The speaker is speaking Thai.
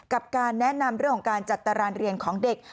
การแนะนำเรื่องของการจัดตารางเรียนของเด็ก